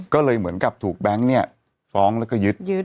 ก็เลยเหมือนกับถูกแบงค์เนี่ยฟ้องแล้วก็ยึด